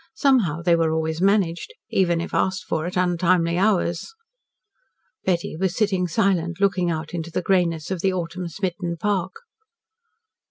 Somehow they were always managed, even if asked for at untimely hours. Betty was sitting silent, looking out into the greyness of the autumn smitten park.